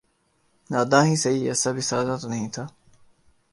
ناداں ہی سہی ایسا بھی سادہ تو نہیں تھا